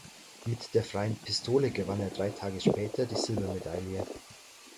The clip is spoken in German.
Mit der Freien Pistole gewann er drei Tage später die Silbermedaille.